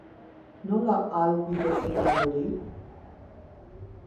Nola ahalbidetzen da hori?